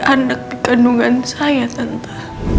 anak di kandungan saya tante